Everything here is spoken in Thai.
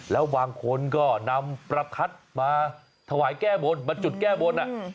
แล้วบางคนก็นำประทัดมาถวายแก้บนมาจุดแก้บน